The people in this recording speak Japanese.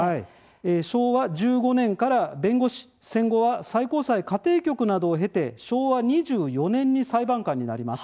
昭和１５年から弁護士戦後は最高裁家庭局などを経て昭和２４年に裁判官になります。